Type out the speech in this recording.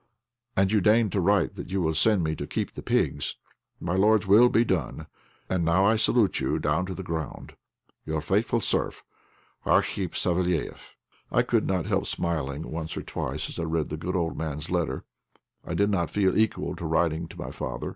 And you deign to write that you will send me to keep the pigs. My lord's will be done. And now I salute you down to the ground. "Your faithful serf, "ARKHIP SAVÉLIÉFF." I could not help smiling once or twice as I read the good old man's letter. I did not feel equal to writing to my father.